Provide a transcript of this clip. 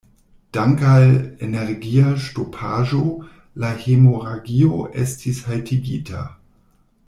Dank' al energia ŝtopaĵo la hemoragio estis haltigita.